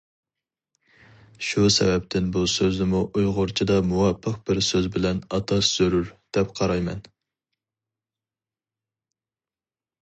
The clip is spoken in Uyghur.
شۇ سەۋەبتىن بۇ سۆزنىمۇ ئۇيغۇرچىدا مۇۋاپىق بىر سۆز بىلەن ئاتاش زۆرۈر، دەپ قارايمەن.